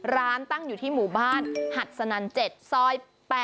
ตั้งอยู่ที่หมู่บ้านหัดสนัน๗ซอย๘